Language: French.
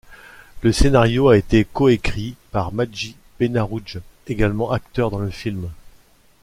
Le scénario a été coécrit par Madjid Benaroudj, également acteur dans le film.